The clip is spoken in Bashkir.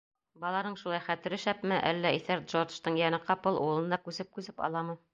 Баланың шулай хәтере шәпме, әллә иҫәр Джордждың йәне ҡапыл улына күсеп-күсеп аламы.